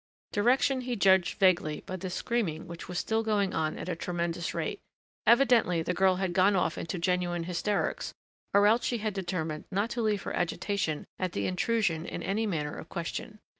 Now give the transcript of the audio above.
Direction he judged vaguely by the screaming which was still going on at a tremendous rate evidently the girl had gone off into genuine hysterics or else she had determined not to leave her agitation at the intrusion in any manner of question.